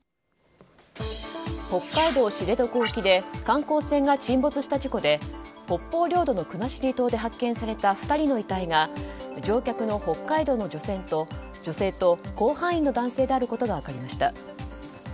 北海道知床半島で観光船が沈没した事故で北方領土の国後島で発見された２人の遺体が乗客の北海道の女性と甲板員の男であることが分かりました。